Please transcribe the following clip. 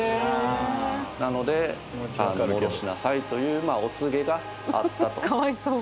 なので戻しなさいというお告げがあったと。